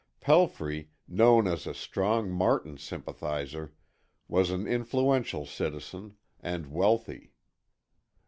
Pelfrey, known as a strong Martin sympathizer, was an influential citizen and wealthy.